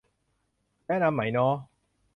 แนะนำไหมน้อ